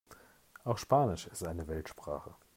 Auch Spanisch ist eine Weltsprache.